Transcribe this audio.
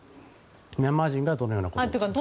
ミャンマー人がどのようなことをですか？